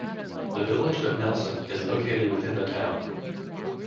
The village of Nelson is located within the town.